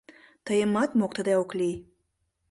— Тыйымат моктыде ок лий...